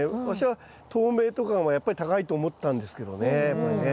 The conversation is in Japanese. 私は透明とかもやっぱり高いと思ったんですけどね。